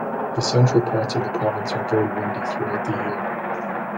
The central parts of the province are very windy throughout the year.